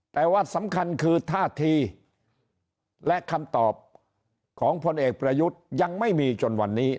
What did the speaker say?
แต่ว่าสำคัญคือท่าทีและคำตอบของพลเอกประยุทธ์ยังไม่มีจนวันนี้